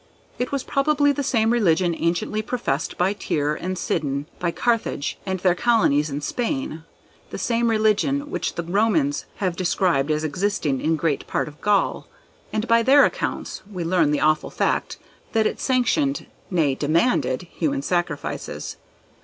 It was probably the same religion anciently professed by Tyre and Sidon, by Carthage and her colonies in Spain; the same religion which the Romans have described as existing in great part of Gaul, and by their accounts, we learn the awful fact, that it sanctioned, nay, demanded, human sacrifices.